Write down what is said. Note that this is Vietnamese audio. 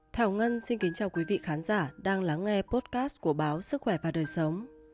thảo ngân xin kính chào quý vị khán giả đang lắng nghe potcast của báo sức khỏe và đời sống